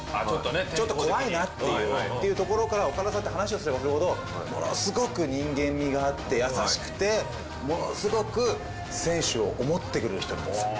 天候的にちょっと怖いなっていうところから岡田さんって話をすればするほどはいものすごく人間味があって優しくてものすごく選手を思ってくれる人なんですあ